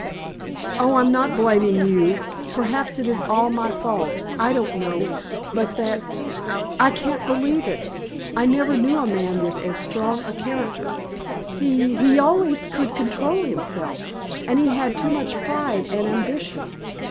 "Oh, I'm not blaming you! Perhaps it is all my fault. I don't know! But that! I can't believe it. I never knew a man with as strong a character. He he always could control himself. And he had too much pride and ambition."